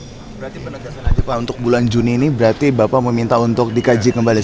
berarti penegasan aja pak untuk bulan juni ini berarti bapak meminta untuk dikaji kembali